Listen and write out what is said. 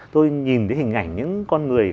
tôi nhìn thấy hình ảnh những con người